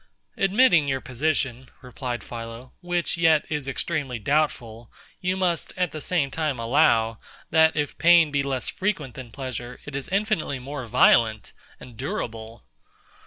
Admitting your position, replied PHILO, which yet is extremely doubtful, you must at the same time allow, that if pain be less frequent than pleasure, it is infinitely more violent and durable.